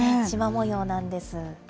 しま模様なんです。